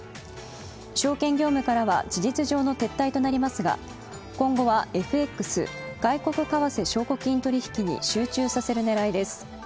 証券業務からは事実上の撤退となりますが、今後はＦＸ＝外国為替証拠金取引に集中させる狙いです。